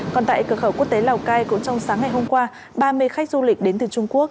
còn tại cửa khẩu quốc tế lào cai cũng trong sáng ngày hôm qua ba mươi khách du lịch đến từ trung quốc